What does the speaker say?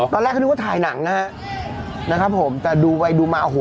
ตอนแรกเขานึกว่าถ่ายหนังนะฮะนะครับผมแต่ดูไปดูมาโอ้โห